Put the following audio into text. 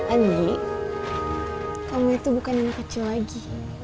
anji kamu itu bukan yang kecil lagi